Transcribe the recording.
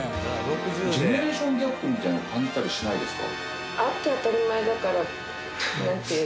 ジェネレーションギャップみたいなの感じたりしないですか？